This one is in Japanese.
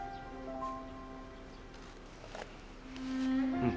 うん。